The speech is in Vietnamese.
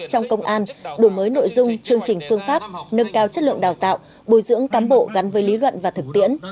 bồi dưỡng cám bộ gắn với lý luận và thực tiễn